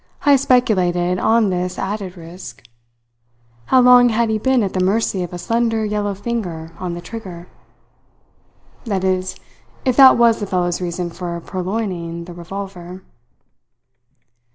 Heyst speculated on this added risk. How long had he been at the mercy of a slender yellow finger on the trigger? That is, if that was the fellow's reason for purloining the revolver.